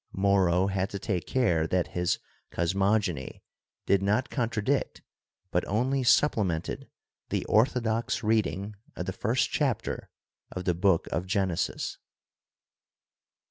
Moro had to take care that his cosmogony did not contradict but only supplemented the orthodox reading of the first chapter of the Book of Genesis.